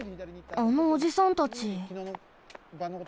あのおじさんたち。